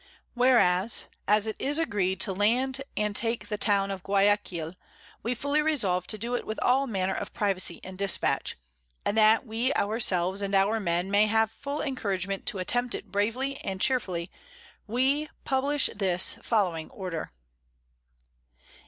Whereas as it is agreed to land and take the Town of Guiaquil, _we fully resolve to do it with all manner of Privacy and Dispatch; and that we our selves and our Men may have full Encouragement to attempt it bravely and cheerfully, we publish this following Order.